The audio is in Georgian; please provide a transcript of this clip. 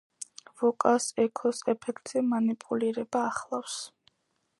ვოკალს ექოს ეფექტზე მანიპულირება ახლავს.